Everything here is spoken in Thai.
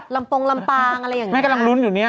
ลำโปรงลำปางอะไรอย่างนี้